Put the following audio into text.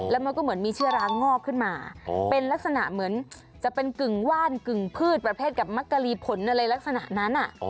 แล้วมันก็เหมือนมีเชื้อร้างงอกขึ้นมาเป็นลักษณะเหมือนจะเป็นกึ่งว่านกึ่งพืชประเภทกับมักกะลีผลอะไรลักษณะนั้น